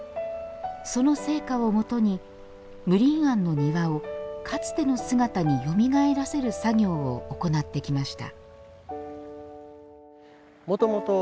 その成果を基に、無鄰菴の庭をかつての姿によみがえらせる作業を行ってきました。